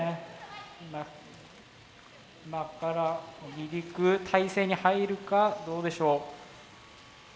今から離陸態勢に入るかどうでしょう？